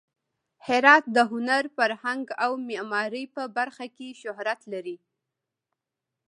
هرات د هنر، فرهنګ او معمارۍ په برخه کې شهرت لري.